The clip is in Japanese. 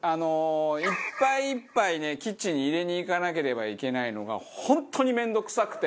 １杯１杯ねキッチンに入れに行かなければいけないのが本当に面倒くさくて。